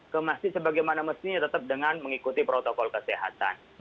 ke masjid sebagaimana mestinya tetap dengan mengikuti protokol kesehatan